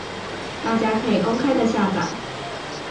大家可以公開的下載